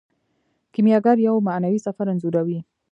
کیمیاګر یو معنوي سفر انځوروي.